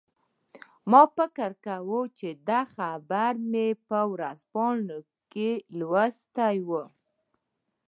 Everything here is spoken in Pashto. ما فکر کوم چې دا خبر مې په ورځپاڼو کې لوستی و